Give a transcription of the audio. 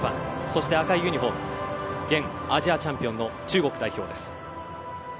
そして赤いユニホーム現アジアチャンピオンの中国代表です。